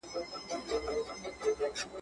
اباسین پر څپو راغی را روان دی غاړي غاړي .